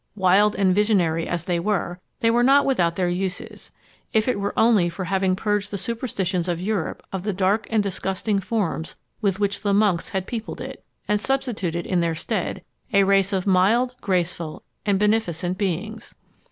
Wild and visionary as they were, they were not without their uses; if it were only for having purged the superstitions of Europe of the dark and disgusting forms with which the monks had peopled it, and substituted, in their stead, a race of mild, graceful, and beneficent beings.